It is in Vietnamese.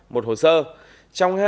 một hồ sơ trong